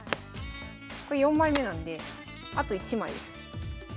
これ４枚目なんであと１枚です。